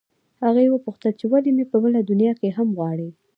هغې وپوښتل چې ولې مې په بله دنیا کې هم غواړې